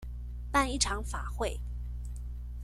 辦一場法會